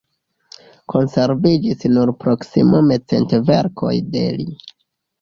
Konserviĝis nur proksimume cent verkoj de li.